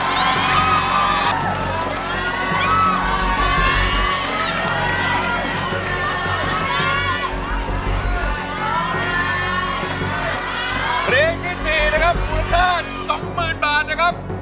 เพลงที่๔นะครับมูลค่า๒๐๐๐บาทนะครับ